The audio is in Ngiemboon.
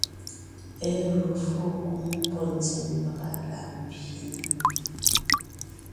Éru fô kwóŋ pɔ́ ntsíŋ pàga láʼ mbyě nèm;